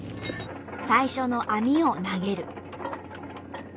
最初の網を投げる。